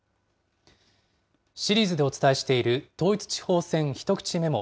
シリーズでお伝えしている、統一地方選ひとくちメモ。